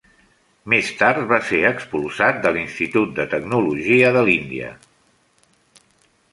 Més tard va ser expulsat de l'Institut de Tecnologia de l'Índia.